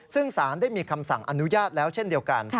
ซึ่งสารได้มีคำสั่งอนุญาตแล้วเช่นเดียวกัน